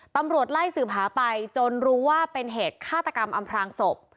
ตำรวจไล่สืบหาไปจนรู้ว่าเป็นเหตุฆาตกรรมอำพลางศพ